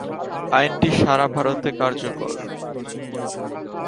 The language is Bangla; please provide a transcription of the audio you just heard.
আইনটি সারা ভারতে কার্যকর।